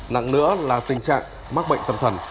nặng nữa là tình trạng mắc bệnh tâm thần